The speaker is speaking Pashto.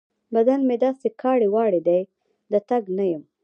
بدن مې داسې کاړې واړې دی؛ د تګ نه يم.